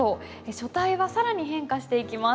書体は更に変化していきます。